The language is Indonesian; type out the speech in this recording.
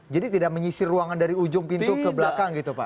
jadi tidak menyisir ruangan dari ujung pintu ke belakang gitu pak